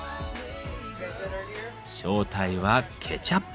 正体はケチャップ。